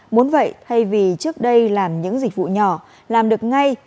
muốn vậy thay vì trước đây làm những dịch vụ nhỏ làm được ngay